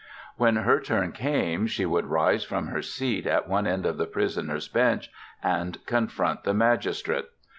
When her turn came she would rise from her seat at one end of the prisoners' bench and confront the magistrate.